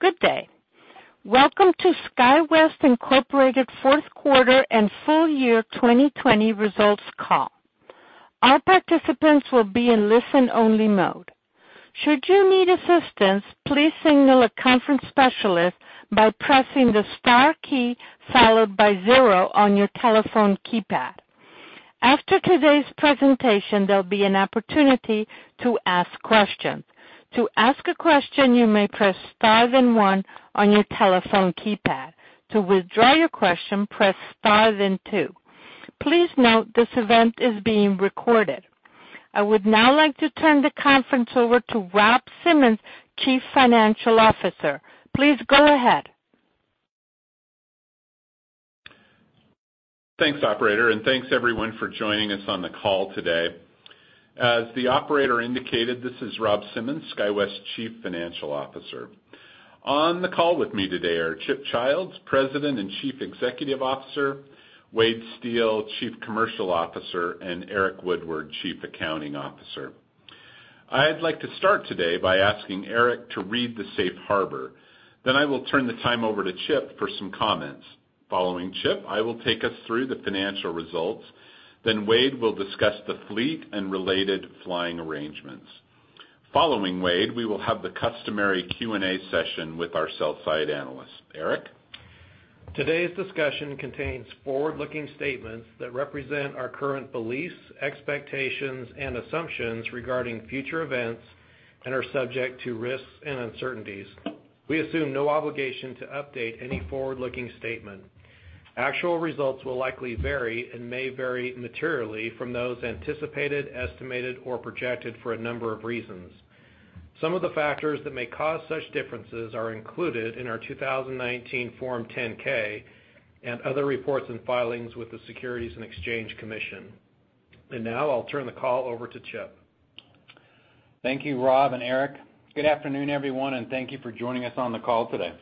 Good day. Welcome to SkyWest Incorporated Fourth Quarter and Full Year 2020 Results Call. Our participants will be in listen-only mode. Should you need assistance, please signal a conference specialist by pressing the star key followed by zero on your telephone keypad. After today's presentation, there'll be an opportunity to ask questions. To ask a question, you may press star then one on your telephone keypad. To withdraw your question, press star then two. Please note this event is being recorded. I would now like to turn the conference over to Rob Simmons, Chief Financial Officer. Please go ahead. Thanks, Operator, and thanks everyone for joining us on the call today. As the Operator indicated, this is Rob Simmons, SkyWest Chief Financial Officer. On the call with me today are Chip Childs, President and Chief Executive Officer; Wade Steel, Chief Commercial Officer; and Eric Woodward, Chief Accounting Officer. I'd like to start today by asking Eric to read the safe harbor. Then I will turn the time over to Chip for some comments. Following Chip, I will take us through the financial results. Then Wade will discuss the fleet and related flying arrangements. Following Wade, we will have the customary Q&A session with our sell-side analysts. Eric? Today's discussion contains forward-looking statements that represent our current beliefs, expectations, and assumptions regarding future events and are subject to risks and uncertainties. We assume no obligation to update any forward-looking statement. Actual results will likely vary and may vary materially from those anticipated, estimated, or projected for a number of reasons. Some of the factors that may cause such differences are included in our 2019 Form 10-K and other reports and filings with the Securities and Exchange Commission, and now I'll turn the call over to Chip. Thank you, Rob and Eric. Good afternoon, everyone, and thank you for joining us on the call today.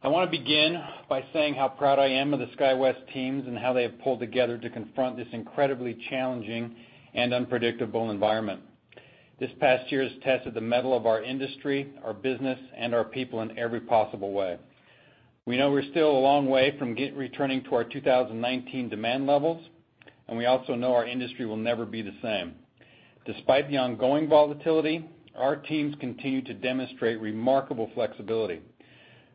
I want to begin by saying how proud I am of the SkyWest teams and how they have pulled together to confront this incredibly challenging and unpredictable environment. This past year has tested the mettle of our industry, our business, and our people in every possible way. We know we're still a long way from returning to our 2019 demand levels, and we also know our industry will never be the same. Despite the ongoing volatility, our teams continue to demonstrate remarkable flexibility.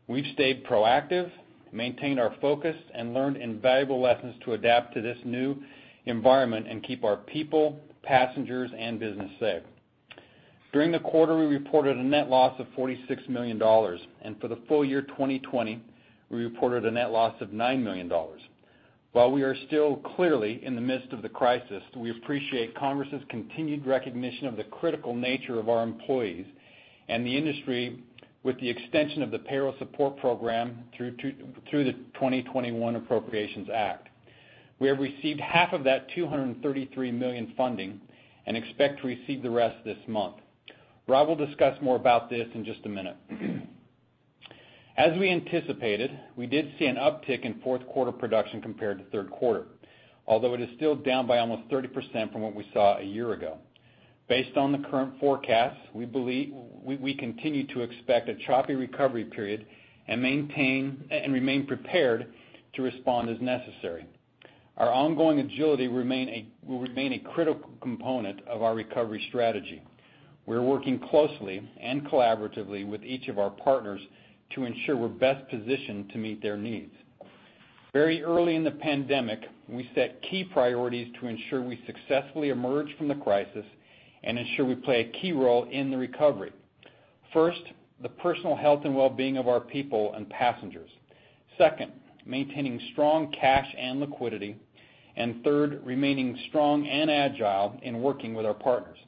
We've stayed proactive, maintained our focus, and learned invaluable lessons to adapt to this new environment and keep our people, passengers, and business safe. During the quarter, we reported a net loss of $46 million, and for the full year 2020, we reported a net loss of $9 million. While we are still clearly in the midst of the crisis, we appreciate Congress's continued recognition of the critical nature of our employees and the industry with the extension of the Payroll Support Program through the 2021 Appropriations Act. We have received $116.5 million of that $233 million funding and expect to receive the rest this month. Rob will discuss more about this in just a minute. As we anticipated, we did see an uptick in fourth quarter production compared to third quarter, although it is still down by almost 30% from what we saw a year ago. Based on the current forecast, we continue to expect a choppy recovery period and remain prepared to respond as necessary. Our ongoing agility will remain a critical component of our recovery strategy. We're working closely and collaboratively with each of our partners to ensure we're best positioned to meet their needs. Very early in the pandemic, we set key priorities to ensure we successfully emerge from the crisis and ensure we play a key role in the recovery. First, the personal health and well-being of our people and passengers. Second, maintaining strong cash and liquidity. And third, remaining strong and agile in working with our partners.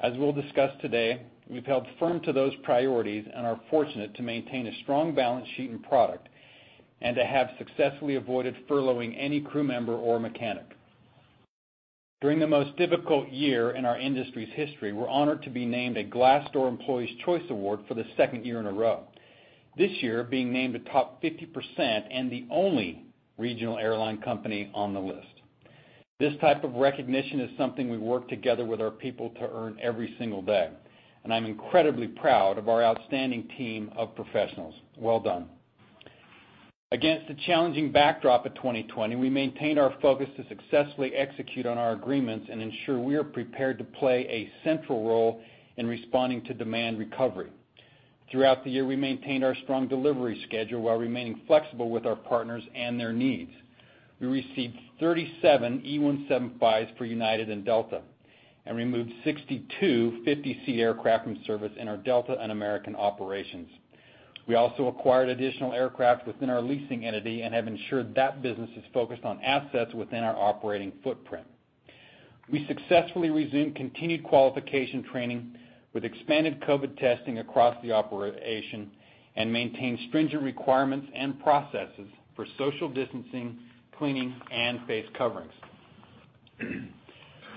As we'll discuss today, we've held firm to those priorities and are fortunate to maintain a strong balance sheet and product and to have successfully avoided furloughing any crew member or mechanic. During the most difficult year in our industry's history, we're honored to be named a Glassdoor Employees' Choice Award for the second year in a row. This year, being named a top 50% and the only regional airline company on the list. This type of recognition is something we work together with our people to earn every single day. I'm incredibly proud of our outstanding team of professionals. Well done. Against the challenging backdrop of 2020, we maintained our focus to successfully execute on our agreements and ensure we are prepared to play a central role in responding to demand recovery. Throughout the year, we maintained our strong delivery schedule while remaining flexible with our partners and their needs. We received 37 E175s for United and Delta and removed 62 50-seat aircraft from service in our Delta and American operations. We also acquired additional aircraft within our leasing entity and have ensured that business is focused on assets within our operating footprint. We successfully resumed continued qualification training with expanded COVID testing across the operation and maintained stringent requirements and processes for social distancing, cleaning, and face coverings.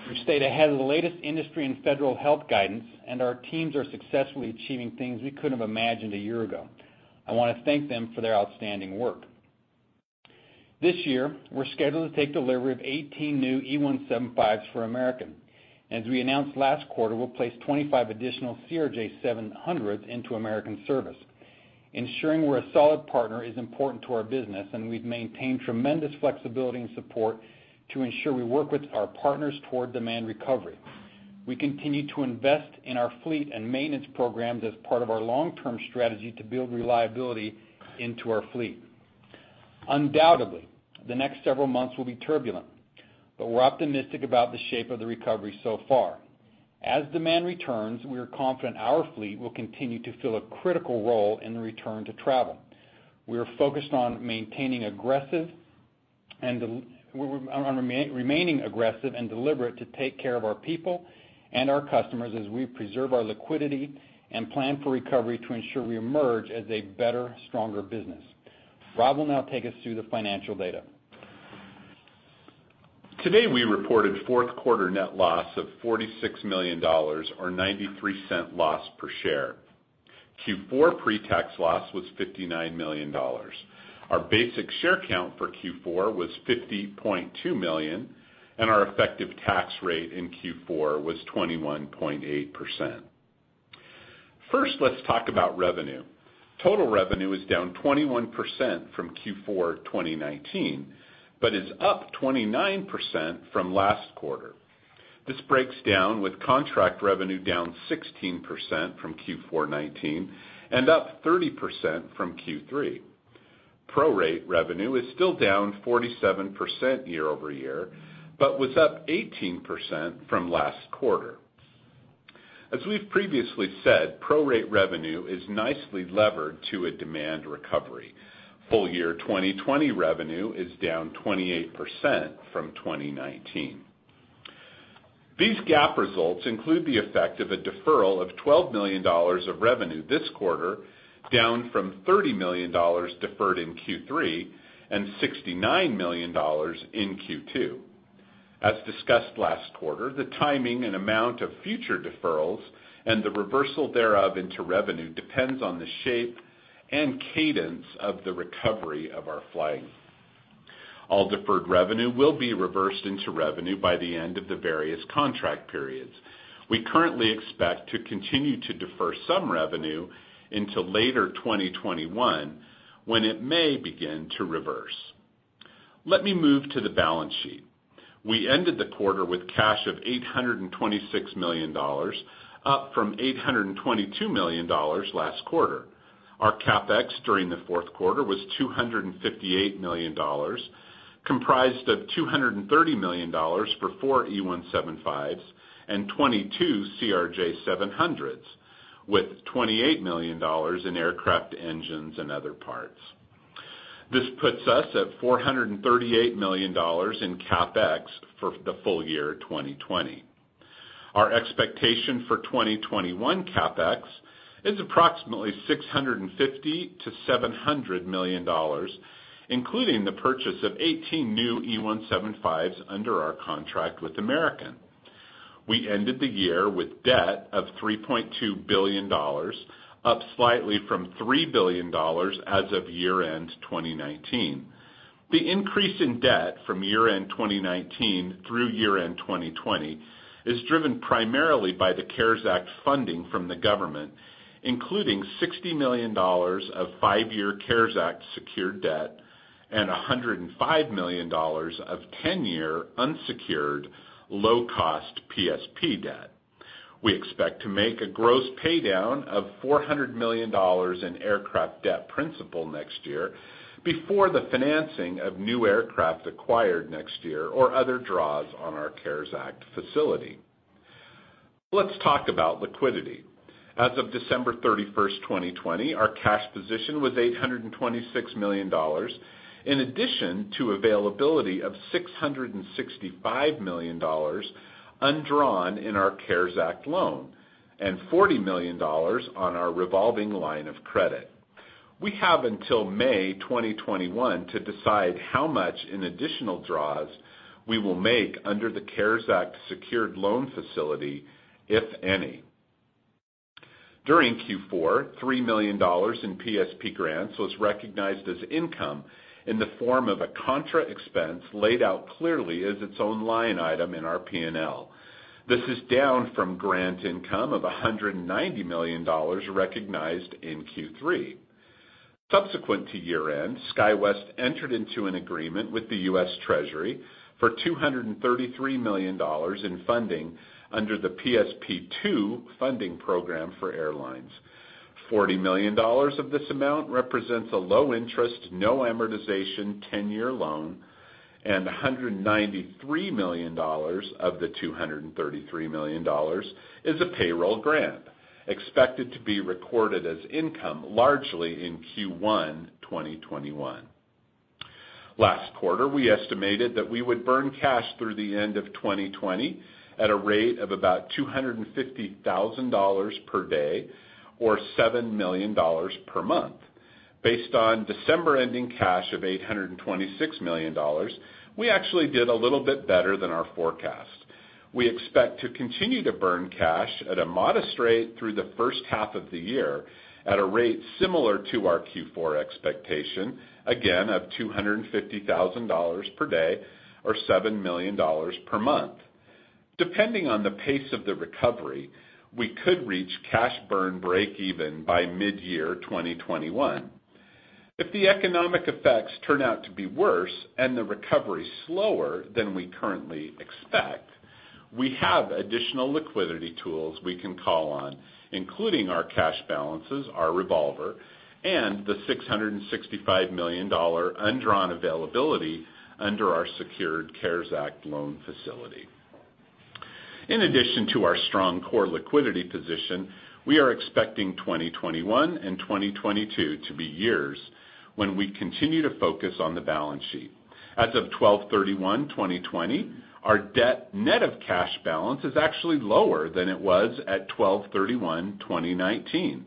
We've stayed ahead of the latest industry and federal health guidance, and our teams are successfully achieving things we couldn't have imagined a year ago. I want to thank them for their outstanding work. This year, we're scheduled to take delivery of 18 new E175s for American. As we announced last quarter, we'll place 25 additional CRJ700s into American service. Ensuring we're a solid partner is important to our business, and we've maintained tremendous flexibility and support to ensure we work with our partners toward demand recovery. We continue to invest in our fleet and maintenance programs as part of our long-term strategy to build reliability into our fleet. Undoubtedly, the next several months will be turbulent, but we're optimistic about the shape of the recovery so far. As demand returns, we are confident our fleet will continue to fill a critical role in the return to travel. We are focused on remaining aggressive and deliberate to take care of our people and our customers as we preserve our liquidity and plan for recovery to ensure we emerge as a better, stronger business. Rob will now take us through the financial data. Today, we reported fourth quarter net loss of $46 million, or $0.93 loss per share. Q4 pre-tax loss was $59 million. Our basic share count for Q4 was 50.2 million, and our effective tax rate in Q4 was 21.8%. First, let's talk about revenue. Total revenue is down 21% from Q4 2019 but is up 29% from last quarter. This breaks down with contract revenue down 16% from Q4 2019 and up 30% from Q3. Pro-rate revenue is still down 47% year over year but was up 18% from last quarter. As we've previously said, prorate revenue is nicely levered to a demand recovery. Full year 2020 revenue is down 28% from 2019. These GAAP results include the effect of a deferral of $12 million of revenue this quarter, down from $30 million deferred in Q3 and $69 million in Q2. As discussed last quarter, the timing and amount of future deferrals and the reversal thereof into revenue depends on the shape and cadence of the recovery of our flying. All deferred revenue will be reversed into revenue by the end of the various contract periods. We currently expect to continue to defer some revenue into later 2021 when it may begin to reverse. Let me move to the balance sheet. We ended the quarter with cash of $826 million, up from $822 million last quarter. Our CapEx during the fourth quarter was $258 million, comprised of $230 million for four E175s and 22 CRJ700s, with $28 million in aircraft engines and other parts. This puts us at $438 million in CapEx for the full year 2020. Our expectation for 2021 CapEx is approximately $650-$700 million, including the purchase of 18 new E175s under our contract with American. We ended the year with debt of $3.2 billion, up slightly from $3 billion as of year-end 2019. The increase in debt from year-end 2019 through year-end 2020 is driven primarily by the CARES Act funding from the government, including $60 million of five-year CARES Act secured debt and $105 million of 10-year unsecured low-cost PSP debt. We expect to make a gross paydown of $400 million in aircraft debt principal next year before the financing of new aircraft acquired next year or other draws on our CARES Act facility. Let's talk about liquidity. As of December 31st, 2020, our cash position was $826 million, in addition to availability of $665 million undrawn in our CARES Act loan and $40 million on our revolving line of credit. We have until May 2021 to decide how much in additional draws we will make under the CARES Act secured loan facility, if any. During Q4, $3 million in PSP grants was recognized as income in the form of a contra expense laid out clearly as its own line item in our P&L. This is down from grant income of $190 million recognized in Q3. Subsequent to year-end, SkyWest entered into an agreement with the U.S. Treasury for $233 million in funding under the PSP II funding program for airlines. $40 million of this amount represents a low-interest, no amortization 10-year loan, and $193 million of the $233 million is a payroll grant expected to be recorded as income largely in Q1 2021. Last quarter, we estimated that we would burn cash through the end of 2020 at a rate of about $250,000 per day or $7 million per month. Based on December-ending cash of $826 million, we actually did a little bit better than our forecast. We expect to continue to burn cash at a modest rate through the first half of the year at a rate similar to our Q4 expectation, again of $250,000 per day or $7 million per month. Depending on the pace of the recovery, we could reach cash burn break-even by mid-year 2021. If the economic effects turn out to be worse and the recovery slower than we currently expect, we have additional liquidity tools we can call on, including our cash balances, our revolver, and the $665 million undrawn availability under our secured CARES Act loan facility. In addition to our strong core liquidity position, we are expecting 2021 and 2022 to be years when we continue to focus on the balance sheet. As of 12/31/2020, our debt net of cash balance is actually lower than it was at 12/31/2019.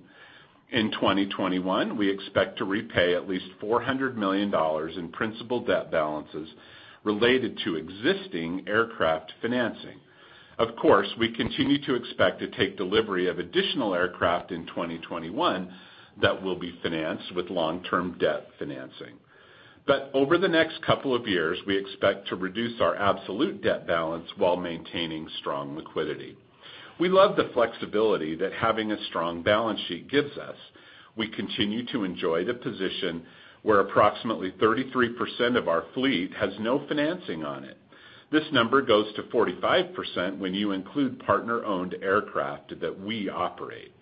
In 2021, we expect to repay at least $400 million in principal debt balances related to existing aircraft financing. Of course, we continue to expect to take delivery of additional aircraft in 2021 that will be financed with long-term debt financing. But over the next couple of years, we expect to reduce our absolute debt balance while maintaining strong liquidity. We love the flexibility that having a strong balance sheet gives us. We continue to enjoy the position where approximately 33% of our fleet has no financing on it. This number goes to 45% when you include partner-owned aircraft that we operate.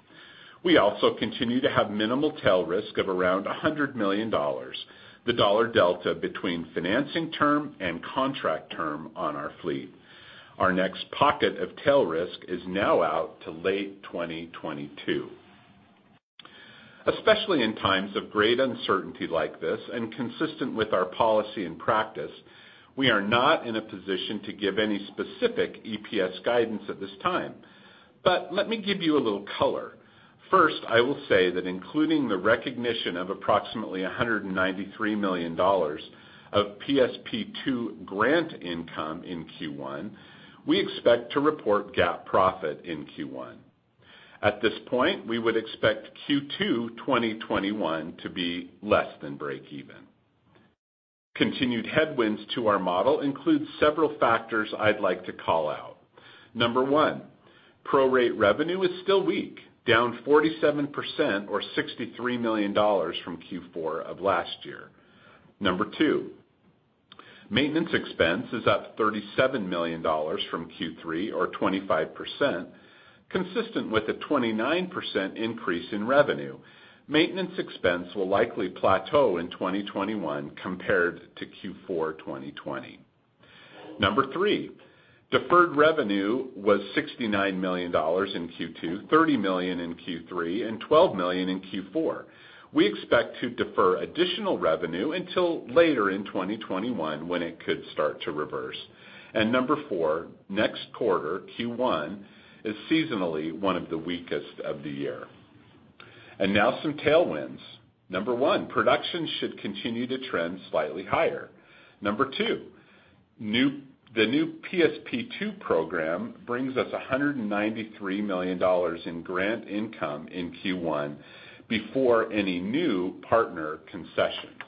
We also continue to have minimal tail risk of around $100 million, the dollar delta between financing term and contract term on our fleet. Our next pocket of tail risk is now out to late 2022. Especially in times of great uncertainty like this and consistent with our policy and practice, we are not in a position to give any specific EPS guidance at this time. But let me give you a little color. First, I will say that including the recognition of approximately $193 million of PSP II grant income in Q1, we expect to report gap profit in Q1. At this point, we would expect Q2 2021 to be less than break-even. Continued headwinds to our model include several factors I'd like to call out. Number one, prorate revenue is still weak, down 47% or $63 million from Q4 of last year. Number two, maintenance expense is up $37 million from Q3 or 25%, consistent with a 29% increase in revenue. Maintenance expense will likely plateau in 2021 compared to Q4 2020. Number three, deferred revenue was $69 million in Q2, $30 million in Q3, and $12 million in Q4. We expect to defer additional revenue until later in 2021 when it could start to reverse. And number four, next quarter, Q1, is seasonally one of the weakest of the year. And now some tailwinds. Number one, production should continue to trend slightly higher. Number two, the new PSP II program brings us $193 million in grant income in Q1 before any new partner concessions.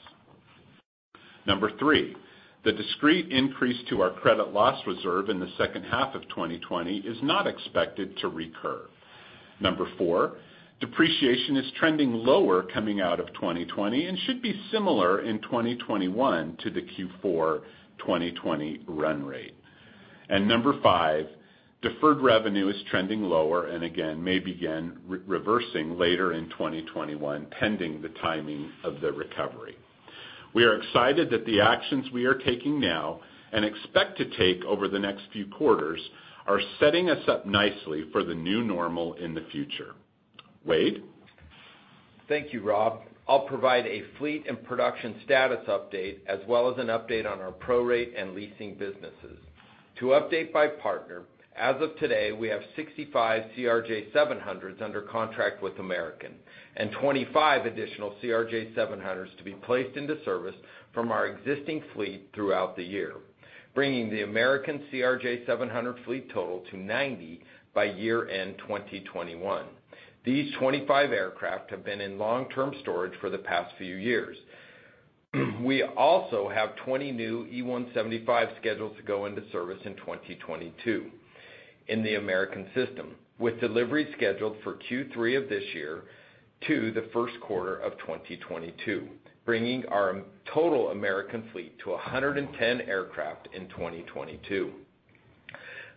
Number three, the discrete increase to our credit loss reserve in the second half of 2020 is not expected to recur. Number four, depreciation is trending lower coming out of 2020 and should be similar in 2021 to the Q4 2020 run rate. And number five, deferred revenue is trending lower and again may begin reversing later in 2021 pending the timing of the recovery. We are excited that the actions we are taking now and expect to take over the next few quarters are setting us up nicely for the new normal in the future. Wade. Thank you, Rob. I'll provide a fleet and production status update as well as an update on our prorate and leasing businesses. To update our partner, as of today, we have 65 CRJ700s under contract with American and 25 additional CRJ700s to be placed into service from our existing fleet throughout the year, bringing the American CRJ700 fleet total to 90 by year-end 2021. These 25 aircraft have been in long-term storage for the past few years. We also have 20 new E175s scheduled to go into service in 2022 in the American system, with delivery scheduled for Q3 of this year to the first quarter of 2022, bringing our total American fleet to 110 aircraft in 2022.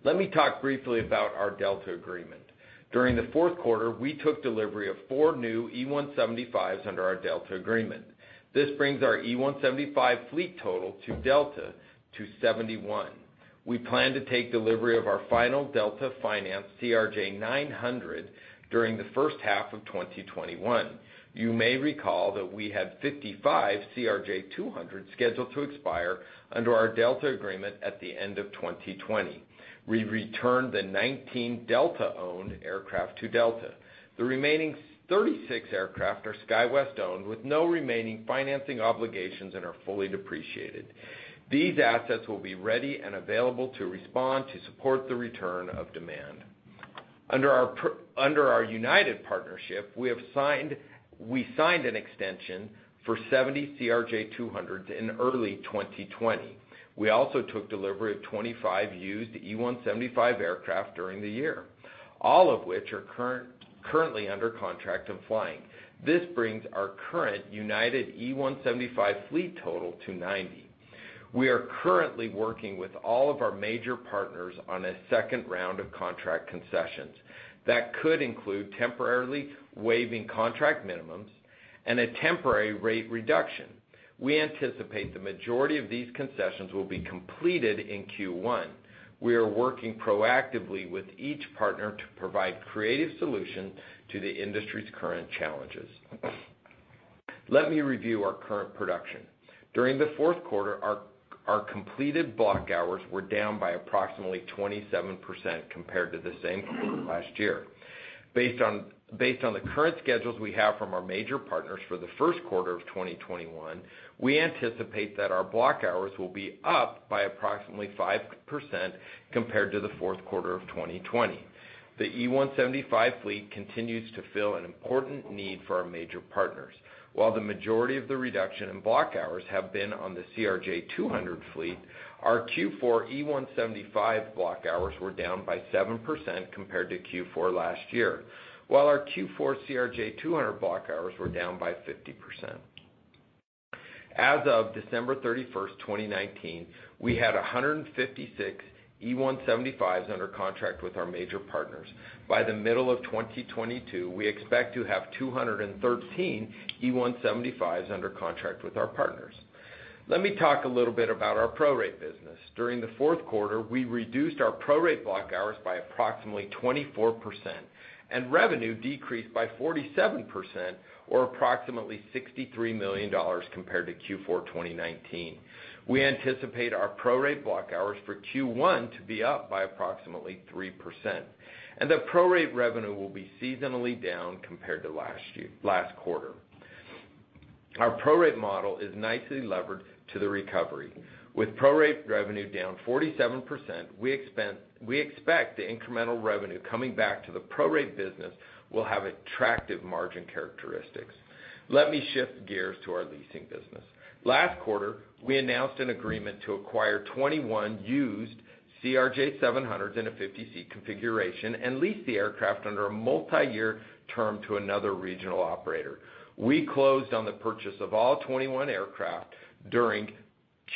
Let me talk briefly about our Delta agreement. During the fourth quarter, we took delivery of four new E175s under our Delta agreement. This brings our E175 fleet total to Delta to 71. We plan to take delivery of our final Delta financed CRJ900 during the first half of 2021. You may recall that we had 55 CRJ200s scheduled to expire under our Delta agreement at the end of 2020. We returned the 19 Delta-owned aircraft to Delta. The remaining 36 aircraft are SkyWest-owned with no remaining financing obligations and are fully depreciated. These assets will be ready and available to respond to support the return of demand. Under our United partnership, we signed an extension for 70 CRJ200s in early 2020. We also took delivery of 25 used E175 aircraft during the year, all of which are currently under contract and flying. This brings our current United E175 fleet total to 90. We are currently working with all of our major partners on a second round of contract concessions. That could include temporarily waiving contract minimums and a temporary rate reduction. We anticipate the majority of these concessions will be completed in Q1. We are working proactively with each partner to provide creative solutions to the industry's current challenges. Let me review our current production. During the fourth quarter, our completed block hours were down by approximately 27% compared to the same quarter last year. Based on the current schedules we have from our major partners for the first quarter of 2021, we anticipate that our block hours will be up by approximately 5% compared to the fourth quarter of 2020. The E175 fleet continues to fill an important need for our major partners. While the majority of the reduction in block hours have been on the CRJ200 fleet, our Q4 E175 block hours were down by 7% compared to Q4 last year, while our Q4 CRJ200 block hours were down by 50%. As of December 31st, 2019, we had 156 E175s under contract with our major partners. By the middle of 2022, we expect to have 213 E175s under contract with our partners. Let me talk a little bit about our prorate business. During the fourth quarter, we reduced our prorate block hours by approximately 24%, and revenue decreased by 47% or approximately $63 million compared to Q4 2019. We anticipate our prorate block hours for Q1 to be up by approximately 3%. And the prorate revenue will be seasonally down compared to last quarter. Our prorate model is nicely levered to the recovery. With prorate revenue down 47%, we expect the incremental revenue coming back to the prorate business will have attractive margin characteristics. Let me shift gears to our leasing business. Last quarter, we announced an agreement to acquire 21 used CRJ700s in a 50-seat configuration and lease the aircraft under a multi-year term to another regional operator. We closed on the purchase of all 21 aircraft during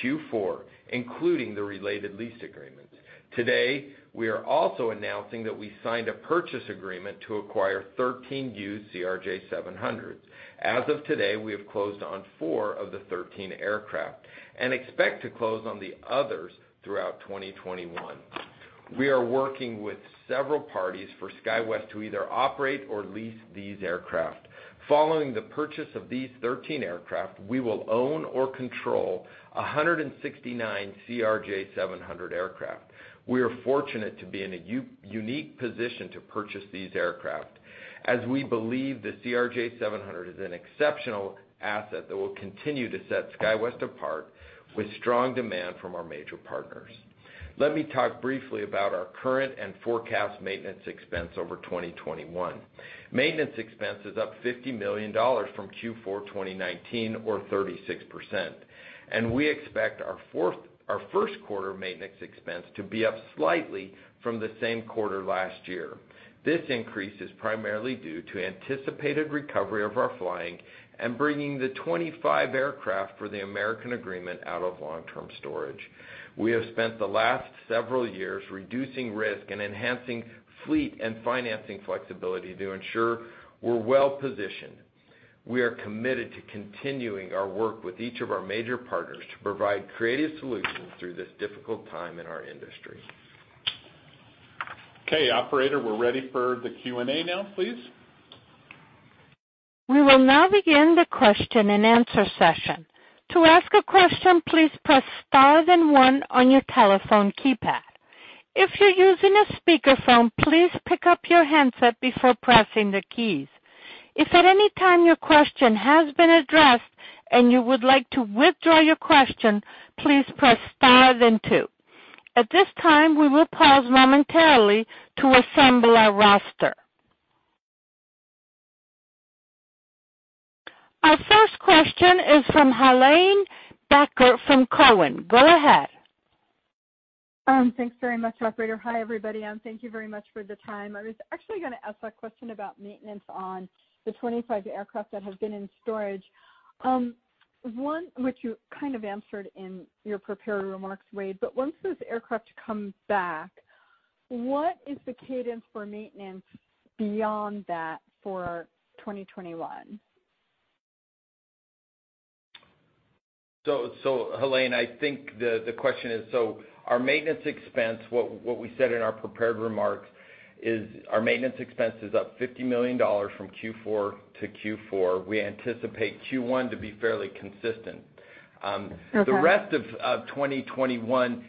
Q4, including the related lease agreements. Today, we are also announcing that we signed a purchase agreement to acquire 13 used CRJ700s. As of today, we have closed on four of the 13 aircraft and expect to close on the others throughout 2021. We are working with several parties for SkyWest to either operate or lease these aircraft. Following the purchase of these 13 aircraft, we will own or control 169 CRJ700 aircraft. We are fortunate to be in a unique position to purchase these aircraft as we believe the CRJ700 is an exceptional asset that will continue to set SkyWest apart with strong demand from our major partners. Let me talk briefly about our current and forecast maintenance expense over 2021. Maintenance expense is up $50 million from Q4 2019 or 36%, and we expect our first quarter maintenance expense to be up slightly from the same quarter last year. This increase is primarily due to anticipated recovery of our flying and bringing the 25 aircraft for the American agreement out of long-term storage. We have spent the last several years reducing risk and enhancing fleet and financing flexibility to ensure we're well positioned. We are committed to continuing our work with each of our major partners to provide creative solutions through this difficult time in our industry. Okay, operator, we're ready for the Q&A now, please. We will now begin the question and answer session. To ask a question, please press star then one on your telephone keypad. If you're using a speakerphone, please pick up your handset before pressing the keys. If at any time your question has been addressed and you would like to withdraw your question, please press star then two. At this time, we will pause momentarily to assemble our roster. Our first question is from Helane Becker from Cowen. Go ahead. Thanks very much, operator. Hi, everybody, and thank you very much for the time. I was actually going to ask a question about maintenance on the 25 aircraft that have been in storage, which you kind of answered in your prepared remarks, Wade, but once those aircraft come back, what is the cadence for maintenance beyond that for 2021? So, Helane, I think the question is, so our maintenance expense, what we said in our prepared remarks, is our maintenance expense is up $50 million from Q4 to Q4. We anticipate Q1 to be fairly consistent. The rest of 2021,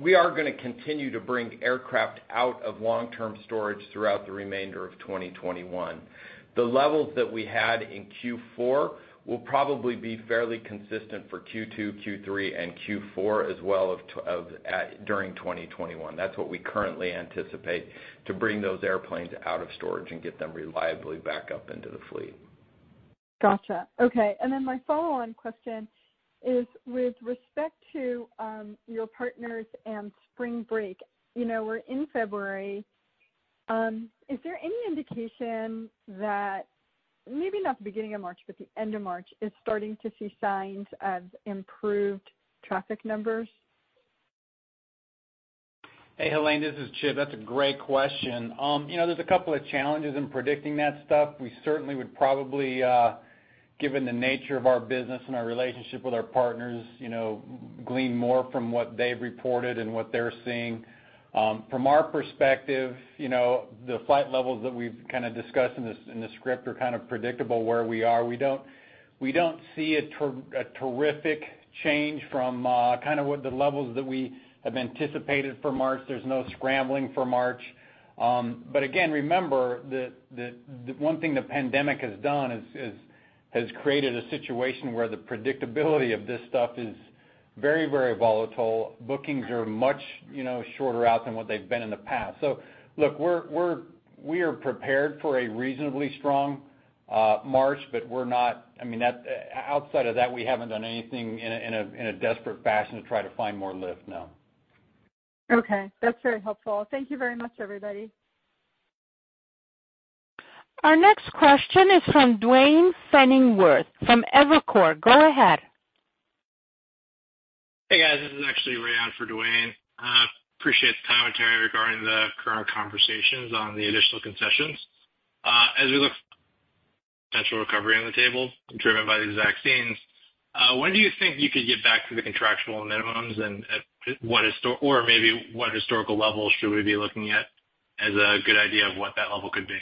we are going to continue to bring aircraft out of long-term storage throughout the remainder of 2021. The levels that we had in Q4 will probably be fairly consistent for Q2, Q3, and Q4 as well during 2021. That's what we currently anticipate to bring those airplanes out of storage and get them reliably back up into the fleet. Gotcha. Okay. And then my follow-on question is, with respect to your partners and spring break, we're in February. Is there any indication that maybe not the beginning of March, but the end of March is starting to see signs of improved traffic numbers? Hey, Helane, this is Chip. That's a great question. There's a couple of challenges in predicting that stuff. We certainly would probably, given the nature of our business and our relationship with our partners, glean more from what they've reported and what they're seeing. From our perspective, the flight levels that we've kind of discussed in the script are kind of predictable where we are. We don't see a terrific change from kind of what the levels that we have anticipated for March. There's no scrambling for March. But again, remember that one thing the pandemic has done has created a situation where the predictability of this stuff is very, very volatile. Bookings are much shorter out than what they've been in the past. So look, we are prepared for a reasonably strong March, but we're not. I mean, outside of that, we haven't done anything in a desperate fashion to try to find more lift, no. Okay. That's very helpful. Thank you very much, everybody. Our next question is from Duane Pfennigwerth from Evercore. Go ahead. Hey, guys. This is actually Ray on for Duane. Appreciate the commentary regarding the current conversations on the additional concessions. As we look for potential recovery on the table driven by these vaccines, when do you think you could get back to the contractual minimums and what is, or maybe what historical level should we be looking at as a good idea of what that level could be?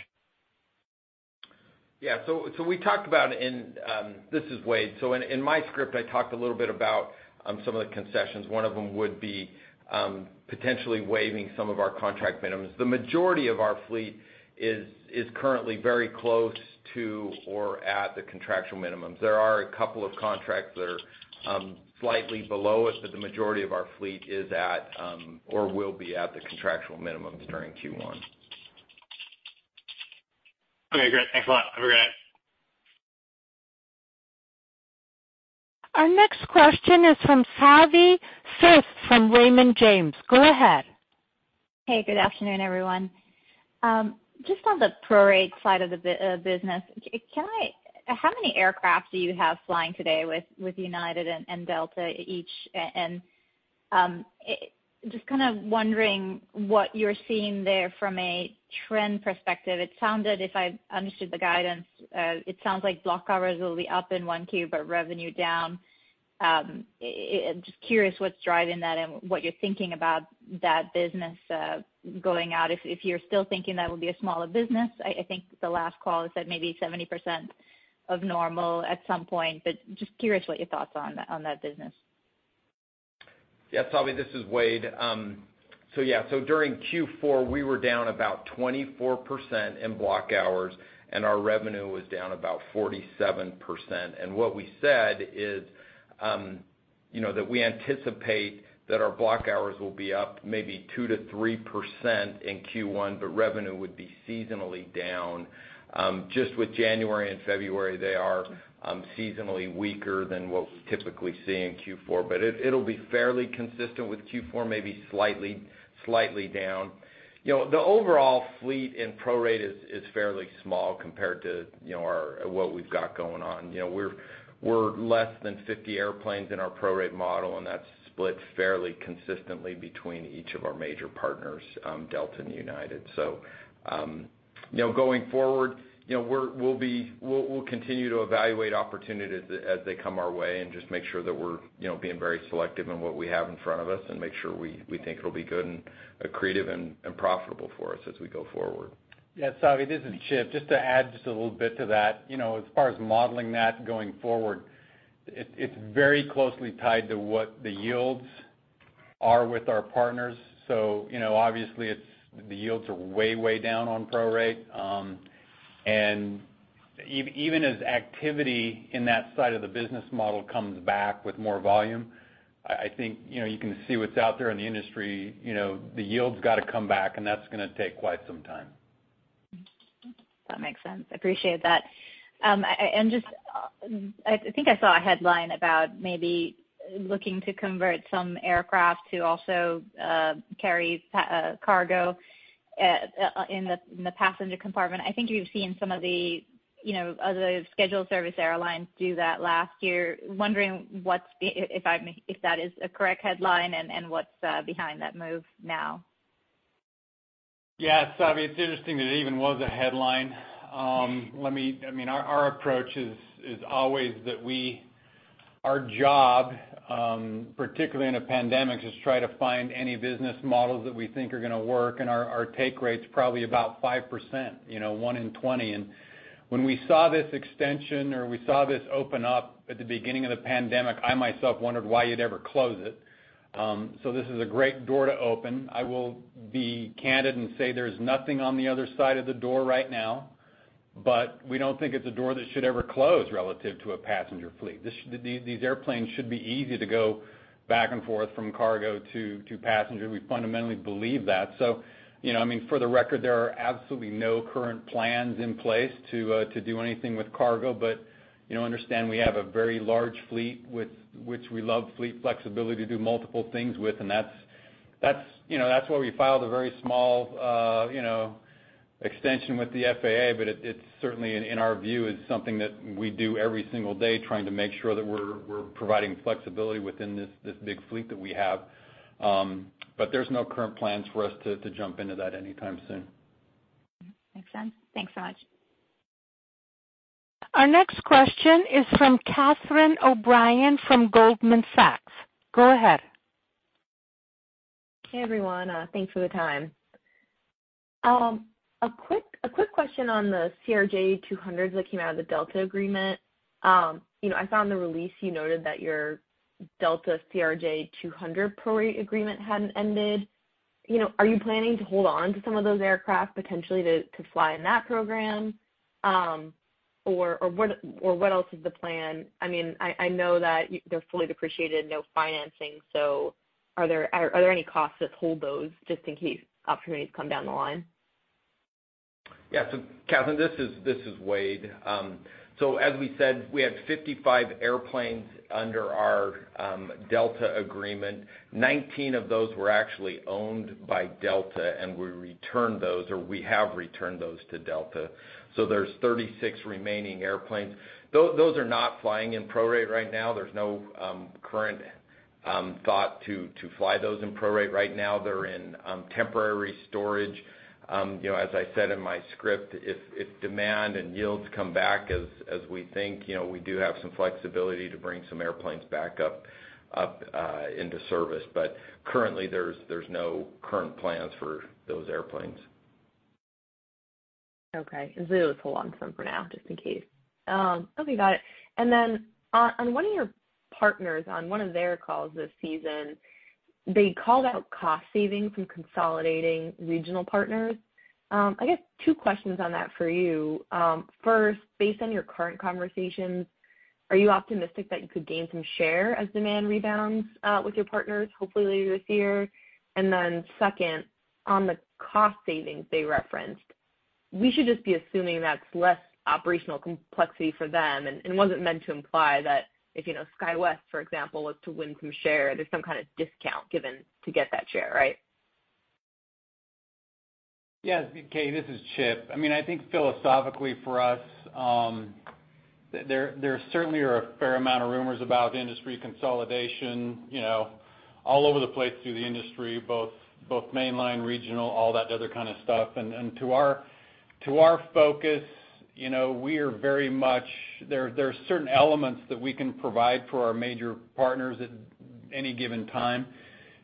Yeah. So we talked about, and this is Wade. So in my script, I talked a little bit about some of the concessions. One of them would be potentially waiving some of our contract minimums. The majority of our fleet is currently very close to or at the contractual minimums. There are a couple of contracts that are slightly below it, but the majority of our fleet is at or will be at the contractual minimums during Q1. Okay, great. Thanks a lot. Have a good night. Our next question is from Savi Syth from Raymond James. Go ahead. Hey, good afternoon, everyone. Just on the prorate side of the business, how many aircraft do you have flying today with United and Delta each? And just kind of wondering what you're seeing there from a trend perspective. It sounded, if I understood the guidance, it sounds like block hours will be up in Q1, but revenue down. Just curious what's driving that and what you're thinking about that business going forward. If you're still thinking that will be a smaller business, I think the last call is at maybe 70% of normal at some point, but just curious what your thoughts are on that business. Yeah, Savi, this is Wade. So yeah, so during Q4, we were down about 24% in block hours, and our revenue was down about 47%, and what we said is that we anticipate that our block hours will be up maybe 2% to 3% in Q1, but revenue would be seasonally down. Just with January and February, they are seasonally weaker than what we typically see in Q4, but it'll be fairly consistent with Q4, maybe slightly down. The overall fleet and prorate is fairly small compared to what we've got going on. We're less than 50 airplanes in our prorate model, and that's split fairly consistently between each of our major partners, Delta and United. So going forward, we'll continue to evaluate opportunities as they come our way and just make sure that we're being very selective in what we have in front of us and make sure we think it'll be good and creative and profitable for us as we go forward. Yeah, Savi, this is Chip. Just to add just a little bit to that, as far as modeling that going forward, it's very closely tied to what the yields are with our partners. So obviously, the yields are way, way down on prorate. And even as activity in that side of the business model comes back with more volume, I think you can see what's out there in the industry. The yields got to come back, and that's going to take quite some time. That makes sense. Appreciate that. And I think I saw a headline about maybe looking to convert some aircraft to also carry cargo in the passenger compartment. I think you've seen some of the other scheduled service airlines do that last year. Wondering if that is a correct headline and what's behind that move now? Yeah, Savi, it's interesting that it even was a headline. I mean, our approach is always that our job, particularly in a pandemic, is to try to find any business models that we think are going to work. And our take rate's probably about 5%, 1 in 20. And when we saw this extension or we saw this open up at the beginning of the pandemic, I myself wondered why you'd ever close it. So this is a great door to open. I will be candid and say there's nothing on the other side of the door right now, but we don't think it's a door that should ever close relative to a passenger fleet. These airplanes should be easy to go back and forth from cargo to passengers. We fundamentally believe that. So, I mean, for the record, there are absolutely no current plans in place to do anything with cargo, but understand we have a very large fleet with which we love fleet flexibility to do multiple things with. And that's why we filed a very small extension with the FAA, but it's certainly, in our view, something that we do every single day trying to make sure that we're providing flexibility within this big fleet that we have. But there's no current plans for us to jump into that anytime soon. Makes sense. Thanks so much. Our next question is from Catherine O'Brien from Goldman Sachs. Go ahead. Hey, everyone. Thanks for the time. A quick question on the CRJ200s that came out of the Delta agreement. I found the release you noted that your Delta CRJ200 prorate agreement hadn't ended. Are you planning to hold on to some of those aircraft potentially to fly in that program? Or what else is the plan? I mean, I know that they're fully depreciated, no financing. So are there any costs that hold those just in case opportunities come down the line? Yeah. So, Catherine, this is Wade. So as we said, we had 55 airplanes under our Delta agreement. 19 of those were actually owned by Delta, and we returned those or we have returned those to Delta. So there's 36 remaining airplanes. Those are not flying in prorate right now. There's no current thought to fly those in prorate right now. They're in temporary storage. As I said in my script, if demand and yields come back as we think, we do have some flexibility to bring some airplanes back up into service. But currently, there's no current plans for those airplanes. Okay. Just hold on to them for now just in case. Okay, got it. And then on one of your partners, on one of their calls this season, they called out cost savings from consolidating regional partners. I guess two questions on that for you. First, based on your current conversations, are you optimistic that you could gain some share as demand rebounds with your partners hopefully later this year? And then second, on the cost savings they referenced, we should just be assuming that's less operational complexity for them and wasn't meant to imply that if SkyWest, for example, was to win some share, there's some kind of discount given to get that share, right? Yeah. Catie, this is Chip. I mean, I think philosophically for us, there certainly are a fair amount of rumors about industry consolidation all over the place through the industry, both mainline, regional, all that other kind of stuff. And to our focus, we are very much there are certain elements that we can provide for our major partners at any given time.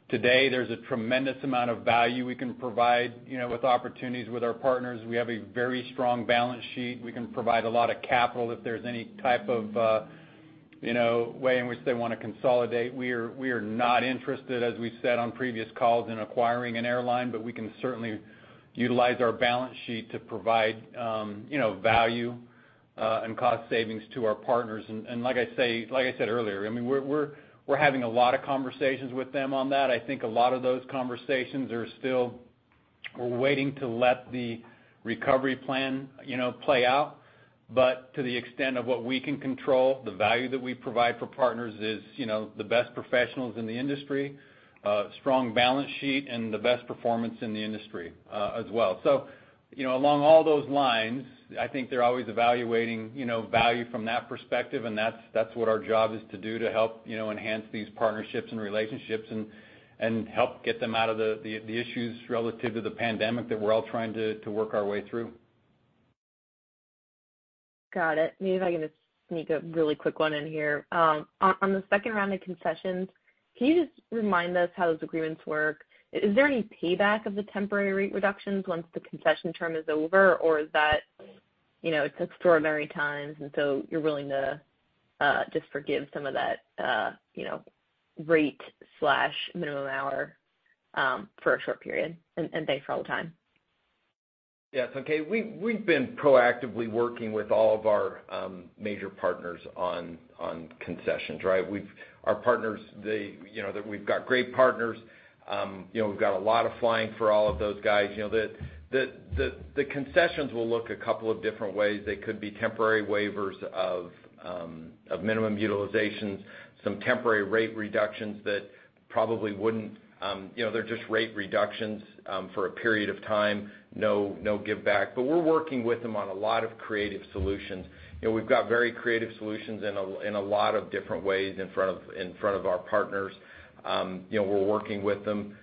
Today, there's a tremendous amount of value we can provide with opportunities with our partners. We have a very strong balance sheet. We can provide a lot of capital if there's any type of way in which they want to consolidate. We are not interested, as we said on previous calls, in acquiring an airline, but we can certainly utilize our balance sheet to provide value and cost savings to our partners. Like I said earlier, I mean, we're having a lot of conversations with them on that. I think a lot of those conversations are still we're waiting to let the recovery plan play out. To the extent of what we can control, the value that we provide for partners is the best professionals in the industry, strong balance sheet, and the best performance in the industry as well. Along all those lines, I think they're always evaluating value from that perspective, and that's what our job is to do to help enhance these partnerships and relationships and help get them out of the issues relative to the pandemic that we're all trying to work our way through. Got it. Maybe if I can just sneak a really quick one in here. On the second round of concessions, can you just remind us how those agreements work? Is there any payback of the temporary rate reductions once the concession term is over, or is that it's extraordinary times, and so you're willing to just forgive some of that rate minimum hour for a short period? And thanks for all the time. Yeah. It's okay. We've been proactively working with all of our major partners on concessions, right? Our partners, we've got great partners. We've got a lot of flying for all of those guys. The concessions will look a couple of different ways. They could be temporary waivers of minimum utilizations, some temporary rate reductions. They're just rate reductions for a period of time, no give back. But we're working with them on a lot of creative solutions. We've got very creative solutions in a lot of different ways in front of our partners. We're working with them,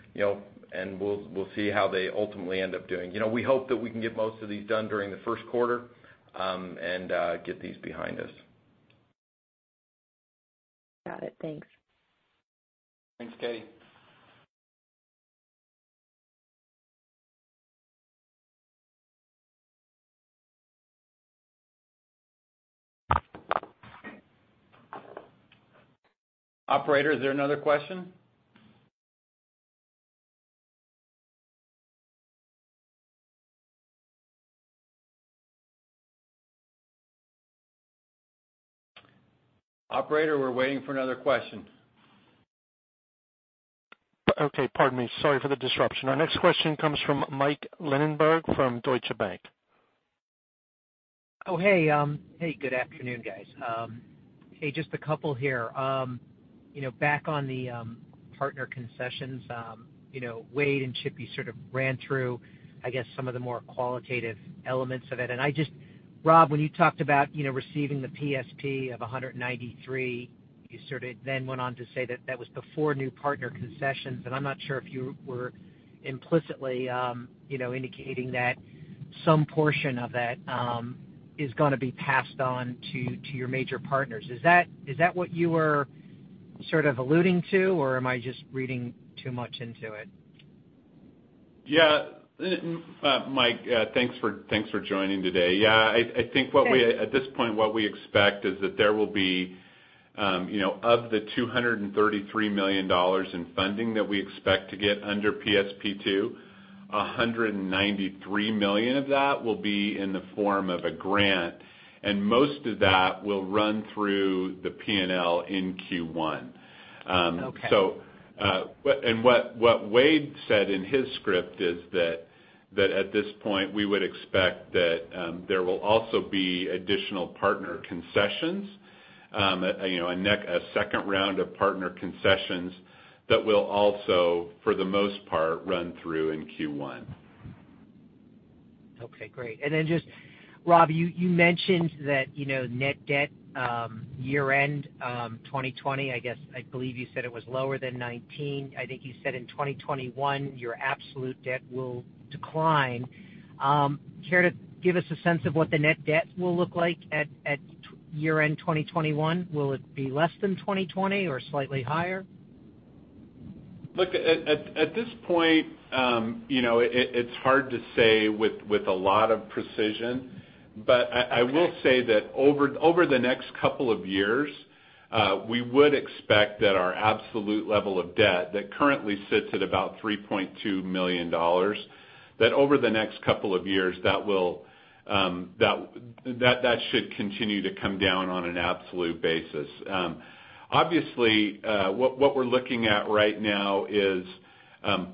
and we'll see how they ultimately end up doing. We hope that we can get most of these done during the first quarter and get these behind us. Got it. Thanks. Thanks, Catie. Operator, is there another question? Operator, we're waiting for another question. Okay. Pardon me. Sorry for the disruption. Our next question comes from Mike Linenberg from Deutsche Bank. Oh, hey. Hey, good afternoon, guys. Hey, just a couple here. Back on the partner concessions, Wade and Chip sort of ran through, I guess, some of the more qualitative elements of it. And Rob, when you talked about receiving the PSP of $193 million, you sort of then went on to say that that was before new partner concessions. And I'm not sure if you were implicitly indicating that some portion of that is going to be passed on to your major partners. Is that what you were sort of alluding to, or am I just reading too much into it? Yeah. Mike, thanks for joining today. Yeah. I think at this point, what we expect is that there will be, of the $233 million in funding that we expect to get under PSP II, $193 million of that will be in the form of a grant. And most of that will run through the P&L in Q1. And what Wade said in his script is that at this point, we would expect that there will also be additional partner concessions, a second round of partner concessions that will also, for the most part, run through in Q1. Okay. Great. And then just, Rob, you mentioned that net debt year-end 2020, I guess I believe you said it was lower than 2019. I think you said in 2021, your absolute debt will decline. Care to give us a sense of what the net debt will look like at year-end 2021? Will it be less than 2020 or slightly higher? Look, at this point, it's hard to say with a lot of precision, but I will say that over the next couple of years, we would expect that our absolute level of debt that currently sits at about $3.2 billion, that over the next couple of years, that should continue to come down on an absolute basis. Obviously, what we're looking at right now is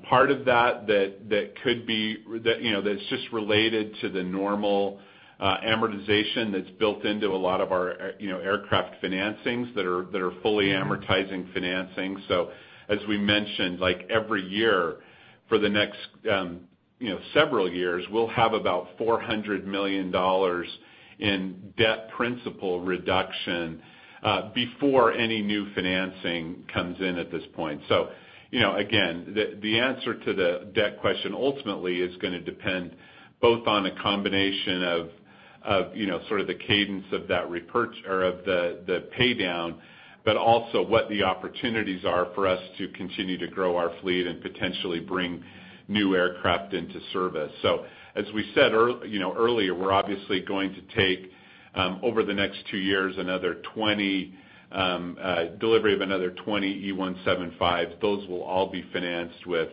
part of that that could be that's just related to the normal amortization that's built into a lot of our aircraft financings that are fully amortizing financing. So as we mentioned, every year for the next several years, we'll have about $400 million in debt principal reduction before any new financing comes in at this point. So again, the answer to the debt question ultimately is going to depend both on a combination of sort of the cadence of that repurchase or of the paydown, but also what the opportunities are for us to continue to grow our fleet and potentially bring new aircraft into service. So as we said earlier, we're obviously going to take delivery over the next two years of another 20 E175s. Those will all be financed with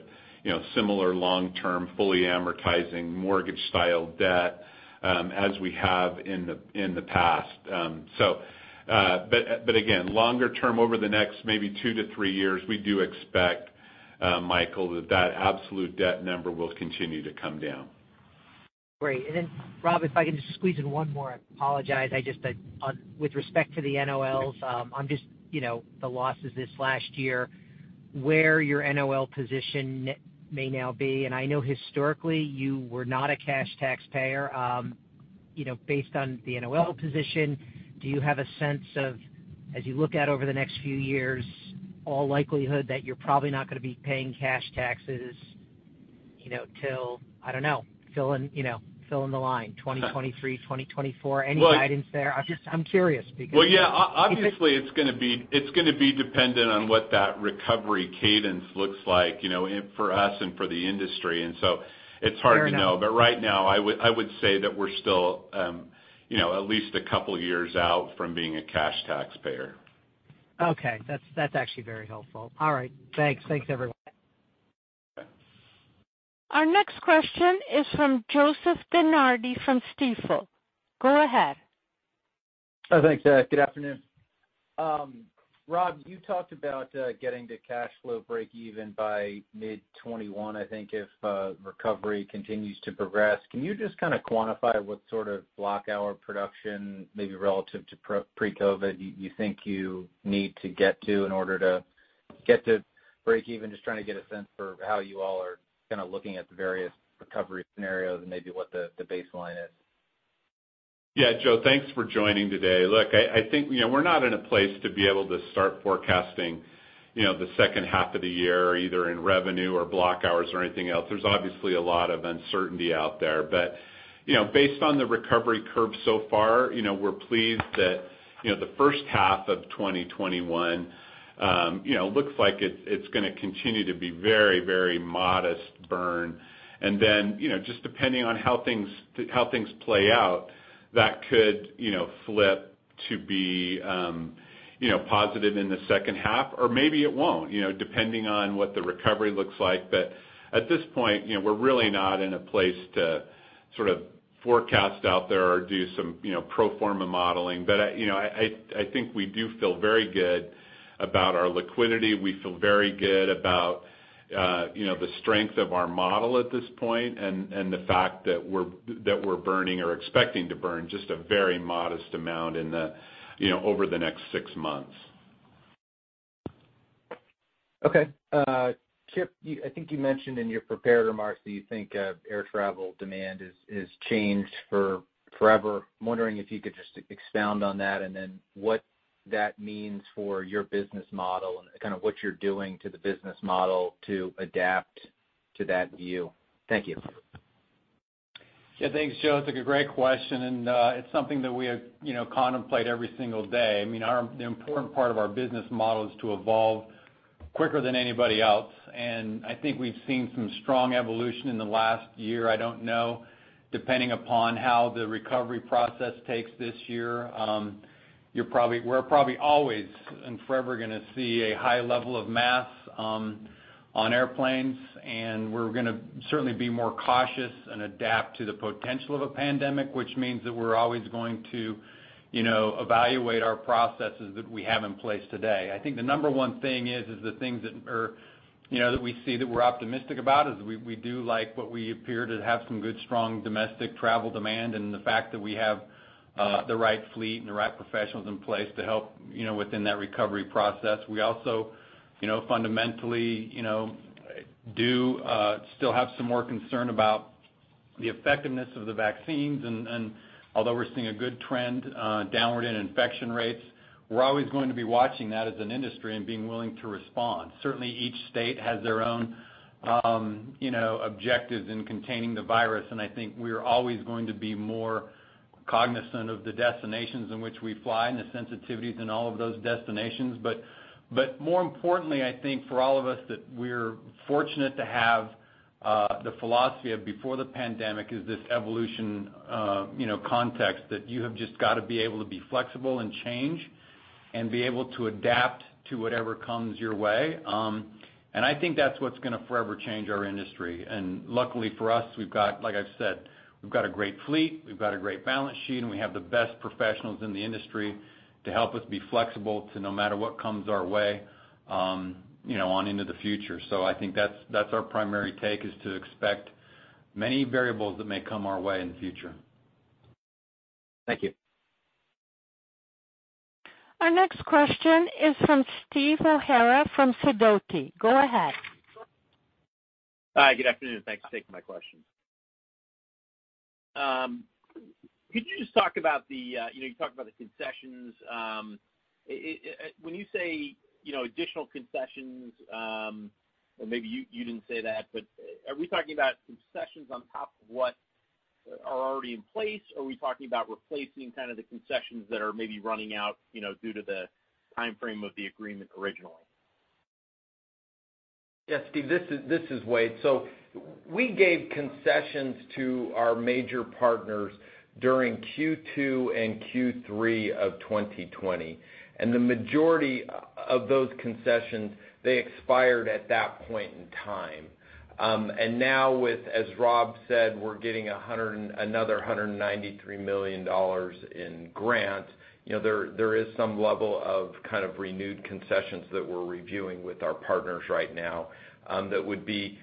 similar long-term fully amortizing mortgage-style debt as we have in the past. But again, longer term, over the next maybe two to three years, we do expect, Michael, that that absolute debt number will continue to come down. Great. And then, Rob, if I can just squeeze in one more, I apologize. With respect to the NOLs, I'm just the losses this last year, where your NOL position may now be. And I know historically you were not a cash taxpayer. Based on the NOL position, do you have a sense of, as you look at over the next few years, all likelihood that you're probably not going to be paying cash taxes till, I don't know, fill in the line 2023, 2024? Any guidance there? I'm curious because. Well, yeah. Obviously, it's going to be dependent on what that recovery cadence looks like for us and for the industry. And so it's hard to know. But right now, I would say that we're still at least a couple of years out from being a cash taxpayer. Okay. That's actually very helpful. All right. Thanks. Thanks, everyone. Our next question is from Joseph DeNardi from Stifel. Go ahead. Thank you. Good afternoon. Rob, you talked about getting to cash flow break-even by mid-2021, I think, if recovery continues to progress. Can you just kind of quantify what sort of block hour production, maybe relative to pre-COVID, you think you need to get to in order to get to break-even? Just trying to get a sense for how you all are kind of looking at the various recovery scenarios and maybe what the baseline is. Yeah. Joe, thanks for joining today. Look, I think we're not in a place to be able to start forecasting the second half of the year either in revenue or block hours or anything else. There's obviously a lot of uncertainty out there. But based on the recovery curve so far, we're pleased that the first half of 2021 looks like it's going to continue to be very, very modest burn. And then just depending on how things play out, that could flip to be positive in the second half, or maybe it won't, depending on what the recovery looks like. But at this point, we're really not in a place to sort of forecast out there or do some pro forma modeling. But I think we do feel very good about our liquidity. We feel very good about the strength of our model at this point and the fact that we're burning or expecting to burn just a very modest amount over the next six months. Okay. Chip, I think you mentioned in your prepared remarks that you think air travel demand has changed forever. I'm wondering if you could just expound on that and then what that means for your business model and kind of what you're doing to the business model to adapt to that view? Thank you. Yeah. Thanks, Joe. It's a great question, and it's something that we contemplate every single day. I mean, the important part of our business model is to evolve quicker than anybody else. And I think we've seen some strong evolution in the last year. I don't know, depending upon how the recovery process takes this year, we're probably always and forever going to see a high level of masks on airplanes. And we're going to certainly be more cautious and adapt to the potential of a pandemic, which means that we're always going to evaluate our processes that we have in place today. I think the number one thing is the things that we see that we're optimistic about is we do like what we appear to have some good, strong domestic travel demand and the fact that we have the right fleet and the right professionals in place to help within that recovery process. We also fundamentally do still have some more concern about the effectiveness of the vaccines, and although we're seeing a good trend downward in infection rates, we're always going to be watching that as an industry and being willing to respond. Certainly, each state has their own objectives in containing the virus, and I think we're always going to be more cognizant of the destinations in which we fly and the sensitivities in all of those destinations. But more importantly, I think for all of us that we're fortunate to have the philosophy of before the pandemic is this evolution context that you have just got to be able to be flexible and change and be able to adapt to whatever comes your way. And I think that's what's going to forever change our industry. And luckily for us, we've got, like I've said, we've got a great fleet. We've got a great balance sheet, and we have the best professionals in the industry to help us be flexible to no matter what comes our way on into the future. So I think that's our primary take is to expect many variables that may come our way in the future. Thank you. Our next question is from Steve O'Hara from Sidoti. Go ahead. Hi. Good afternoon. Thanks for taking my question. Could you just talk about the concessions? When you say additional concessions, or maybe you didn't say that, but are we talking about concessions on top of what are already in place, or are we talking about replacing kind of the concessions that are maybe running out due to the timeframe of the agreement originally? Yes, Steve. This is Wade. So we gave concessions to our major partners during Q2 and Q3 of 2020. And the majority of those concessions, they expired at that point in time. And now, as Rob said, we're getting another $193 million in grant. There is some level of kind of renewed concessions that we're reviewing with our partners right now that would be,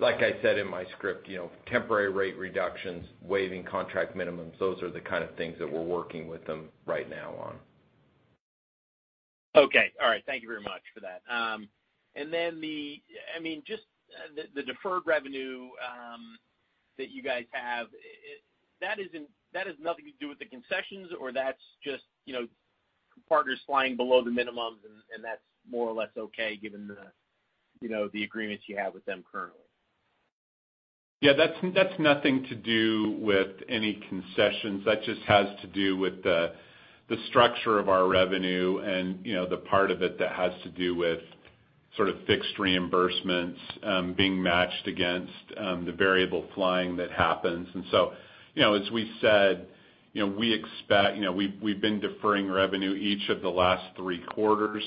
like I said in my script, temporary rate reductions, waiving contract minimums. Those are the kind of things that we're working with them right now on. Okay. All right. Thank you very much for that. And then, I mean, just the deferred revenue that you guys have, that has nothing to do with the concessions, or that's just partners flying below the minimums, and that's more or less okay given the agreements you have with them currently? Yeah. That's nothing to do with any concessions. That just has to do with the structure of our revenue and the part of it that has to do with sort of fixed reimbursements being matched against the variable flying that happens. And so as we said, we expect we've been deferring revenue each of the last three quarters.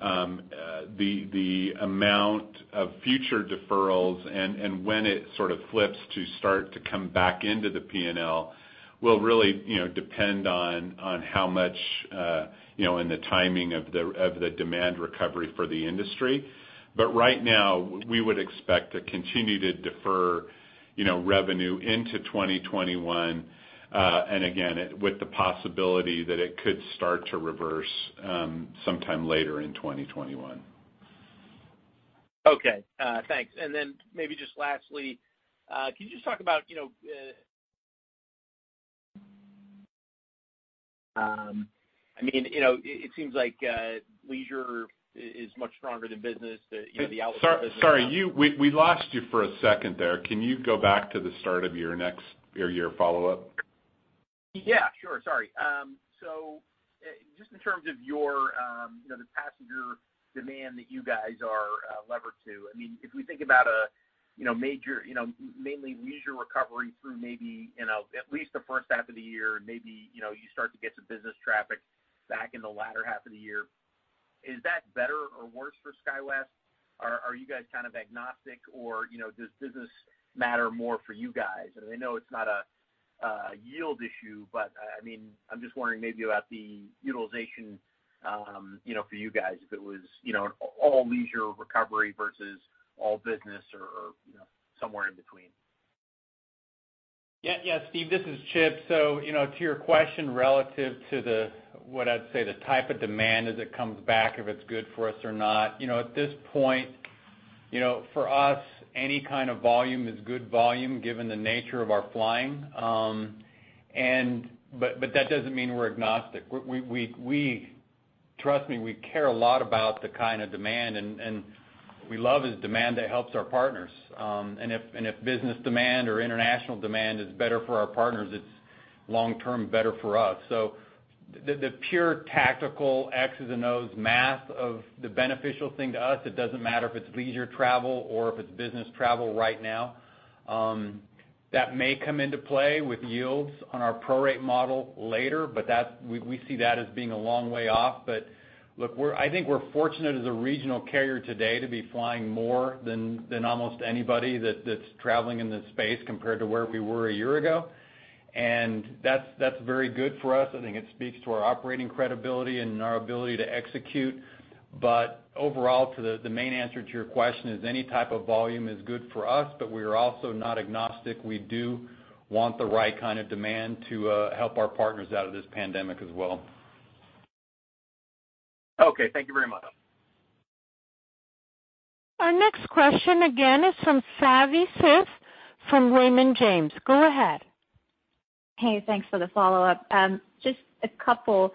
The amount of future deferrals and when it sort of flips to start to come back into the P&L will really depend on how much and the timing of the demand recovery for the industry. But right now, we would expect to continue to defer revenue into 2021, and again, with the possibility that it could start to reverse sometime later in 2021. Okay. Thanks. And then maybe just lastly, could you just talk about, I mean, it seems like leisure is much stronger than business, the outlet business? Sorry. We lost you for a second there. Can you go back to the start of your next or your follow-up? Yeah. Sure. Sorry. So just in terms of the passenger demand that you guys are levered to, I mean, if we think about a major mainly leisure recovery through maybe at least the first half of the year, maybe you start to get some business traffic back in the latter half of the year, is that better or worse for SkyWest? Are you guys kind of agnostic, or does business matter more for you guys? And I know it's not a yield issue, but I mean, I'm just wondering maybe about the utilization for you guys if it was all leisure recovery versus all business or somewhere in between. Yeah. Yeah. Steve, this is Chip. So to your question relative to what I'd say the type of demand as it comes back, if it's good for us or not, at this point, for us, any kind of volume is good volume given the nature of our flying. But that doesn't mean we're agnostic. Trust me, we care a lot about the kind of demand, and what we love is demand that helps our partners. And if business demand or international demand is better for our partners, it's long-term better for us. So the pure tactical X's and O's math of the beneficial thing to us, it doesn't matter if it's leisure travel or if it's business travel right now. That may come into play with yields on our prorate model later, but we see that as being a long way off. But look, I think we're fortunate as a regional carrier today to be flying more than almost anybody that's traveling in this space compared to where we were a year ago. And that's very good for us. I think it speaks to our operating credibility and our ability to execute. But overall, the main answer to your question is any type of volume is good for us, but we are also not agnostic. We do want the right kind of demand to help our partners out of this pandemic as well. Okay. Thank you very much. Our next question again is from Savi Syth from Raymond James. Go ahead. Hey. Thanks for the follow-up. Just a couple.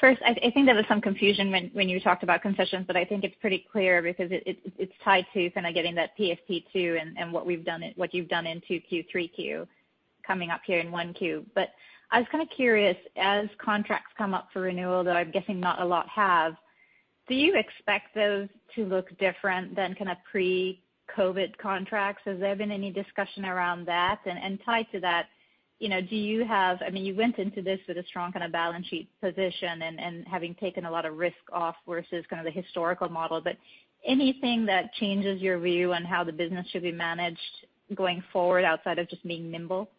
First, I think there was some confusion when you talked about concessions, but I think it's pretty clear because it's tied to kind of getting that PSP II and what you've done in Q2, Q3 coming up here in Q1. But I was kind of curious, as contracts come up for renewal that I'm guessing not a lot have, do you expect those to look different than kind of pre-COVID contracts? Has there been any discussion around that? And tied to that, do you have I mean, you went into this with a strong kind of balance sheet position and having taken a lot of risk off versus kind of the historical model. But anything that changes your view on how the business should be managed going forward outside of just being nimble?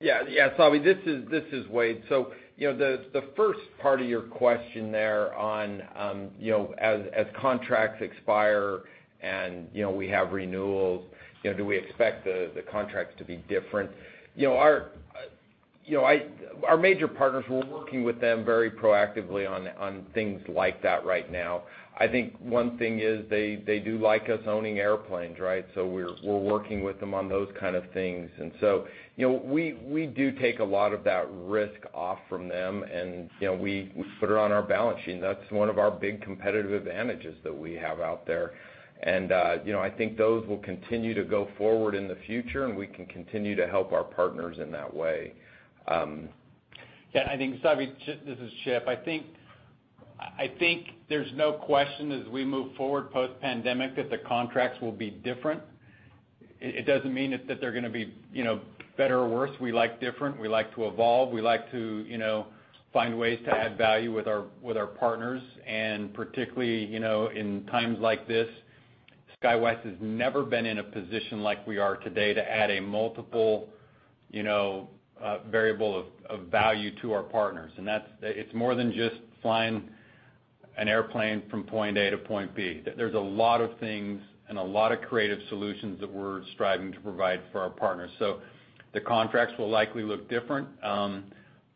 Yeah. Yeah. Savi, this is Wade. So the first part of your question there on as contracts expire and we have renewals, do we expect the contracts to be different? Our major partners, we're working with them very proactively on things like that right now. I think one thing is they do like us owning airplanes, right? So we're working with them on those kind of things. And so we do take a lot of that risk off from them, and we put it on our balance sheet. And that's one of our big competitive advantages that we have out there. And I think those will continue to go forward in the future, and we can continue to help our partners in that way. Yeah. I think, Savi, this is Chip. I think there's no question as we move forward post-pandemic that the contracts will be different. It doesn't mean that they're going to be better or worse. We like different. We like to evolve. We like to find ways to add value with our partners, and particularly in times like this, SkyWest has never been in a position like we are today to add a multiple variable of value to our partners. And it's more than just flying an airplane from point A to point B. There's a lot of things and a lot of creative solutions that we're striving to provide for our partners, so the contracts will likely look different,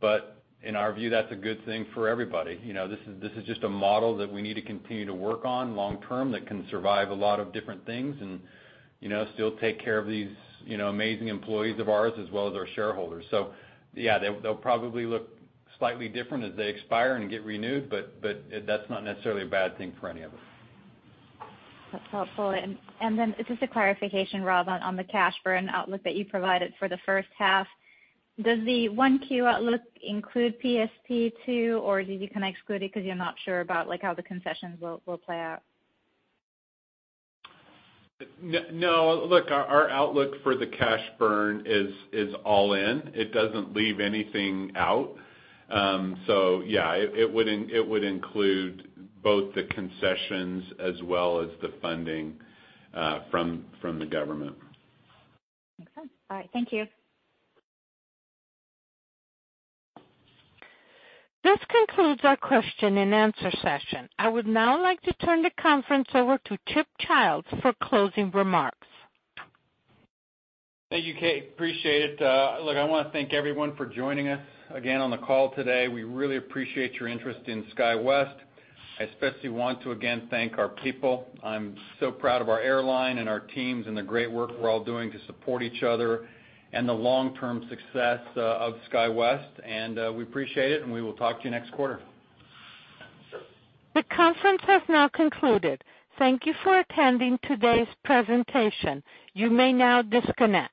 but in our view, that's a good thing for everybody. This is just a model that we need to continue to work on long-term that can survive a lot of different things and still take care of these amazing employees of ours as well as our shareholders. So yeah, they'll probably look slightly different as they expire and get renewed, but that's not necessarily a bad thing for any of us. That's helpful. And then just a clarification, Rob, on the cash burn outlook that you provided for the first half. Does the Q1 outlook include PSP II, or did you kind of exclude it because you're not sure about how the concessions will play out? No. Look, our outlook for the cash burn is all in. It doesn't leave anything out. So yeah, it would include both the concessions as well as the funding from the government. Makes sense. All right. Thank you. This concludes our question and answer session. I would now like to turn the conference over to Chip Childs for closing remarks. Thank you, Kate. Appreciate it. Look, I want to thank everyone for joining us again on the call today. We really appreciate your interest in SkyWest. I especially want to again thank our people. I'm so proud of our airline and our teams and the great work we're all doing to support each other and the long-term success of SkyWest. And we appreciate it, and we will talk to you next quarter. The conference has now concluded. Thank you for attending today's presentation. You may now disconnect.